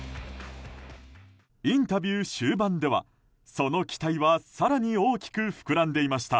インタビュー終盤ではその期待は更に大きく膨らんでいました。